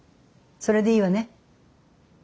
それでいいわね。